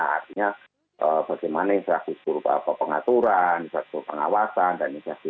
artinya bagaimana yang terakhir berupa pengaturan berapa pengawasan dan misalnya